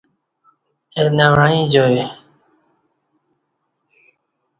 اہ نہ وعیں جائی